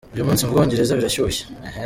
Uyu munsi mu Bwongereza birashyushye